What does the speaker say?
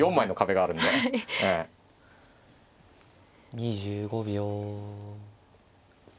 ２５秒。